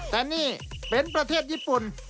แต่นี่เป็นประเทศญี่ปุ่น